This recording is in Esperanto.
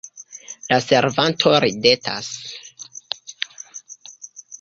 La servanto ridetas.